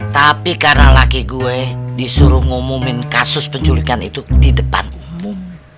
tapi karena laki gue disuruh ngumumin kasus penculikan itu di depan umum